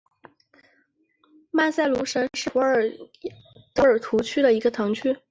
曼塞卢什是葡萄牙波尔图区的一个堂区。